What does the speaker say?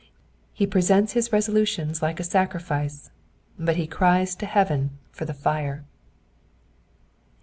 He presents his resolutions like a sacrifice, but he cries to heaven for the fire.